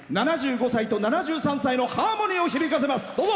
７５歳と７３歳のハーモニーを響かせます。